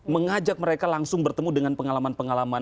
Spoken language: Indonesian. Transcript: mengajak mereka langsung bertemu dengan pengalaman pengalaman